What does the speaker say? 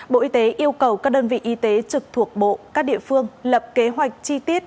bộ y tế yêu cầu các đơn vị y tế trực thuộc bộ các địa phương lập kế hoạch chi tiết